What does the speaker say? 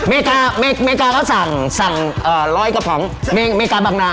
เมคาเมเมกาเขาสั่งสั่งเอ่อร้อยกระผมแมงโมกาบังนา